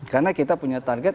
karena kita punya target